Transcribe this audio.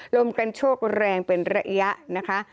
ลมกันโชคแรงเป็นระยะนะคะ